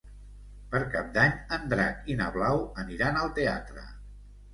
Per Cap d'Any en Drac i na Blau aniran al teatre.